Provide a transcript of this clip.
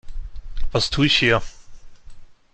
Was tue ich hier?